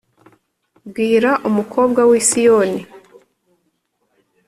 bwira umukobwa w i Siyoni